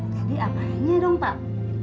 jadi apanya dong pak